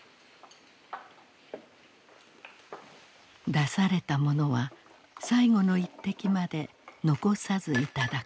出されたものは最後の一滴まで残さず頂く。